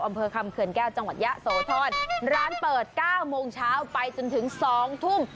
อำเภอคำเขื่อนแก้วจังหวัดยะโสธรร้านเปิดเก้าโมงเช้าไปจนถึงสองทุ่ม